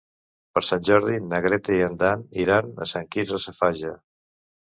Per Sant Jordi na Greta i en Dan iran a Sant Quirze Safaja.